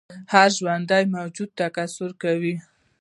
هر ژوندی موجود تکثیر کوي